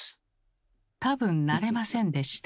多分なれませんでした。